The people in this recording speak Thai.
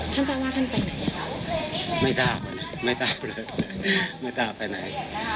ท่านเจ้าอาวาสท่านไปไหน